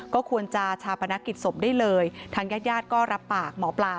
ก็ควรจะชาปนกิจศพได้เลยทางญาติญาติก็รับปากหมอปลา